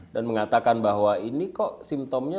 dan mengatakan bahwa ini kok simptomnya